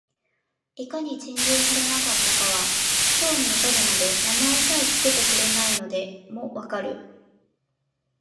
いかに珍重されなかったかは、今日に至るまで名前さえつけてくれないのでも分かる